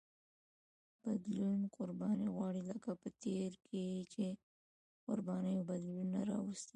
بدلون قرباني غواړي لکه په تېر کې چې قربانیو بدلونونه راوستي.